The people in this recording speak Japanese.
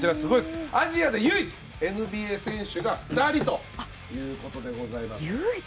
アジアで唯一ＮＢＡ選手が２人ということでございます。